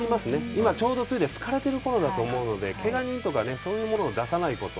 今ちょうど梅雨で疲れていると思うのでけが人とか、そういう者を出さないこと。